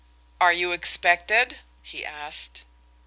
"Are you expected?" he asked.